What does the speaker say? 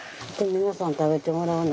皆さん食べてもらわな。